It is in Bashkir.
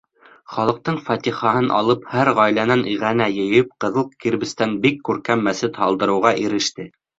Халыҡтың фатихаһын алып, һәр ғаиләнән иғәнә йыйып, ҡыҙыл кирбестән бик күркәм мәсет һалдырыуға иреште.